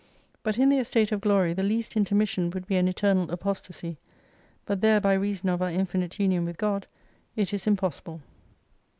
But in the Estate of Glory the least intermission would be an eternal apostacy : But there by reason of our infinite union with God it is impossible.